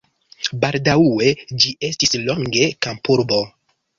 Baldaŭe ĝi estis longe kampurbo.